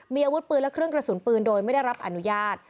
มีอาวุธปืนและเครื่องกระสุนปืนโดยไม่ได้รับอนุญาต